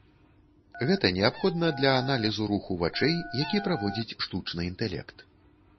Гэта неабходна для аналізу руху вачэй, які праводзіць штучны інтэлект.